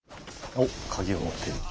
おっ鍵を持ってる。